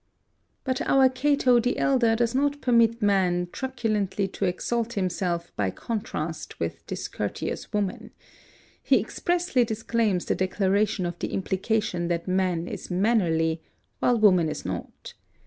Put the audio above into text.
But our Cato the elder does not permit man truculently to exalt himself by contrast with discourteous woman. He expressly disclaims the declaration of the implication that man is mannerly, while woman is not.